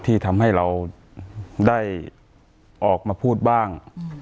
ที่ทำให้เราได้ออกมาพูดบ้าง